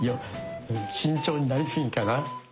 慎重になりすぎかな？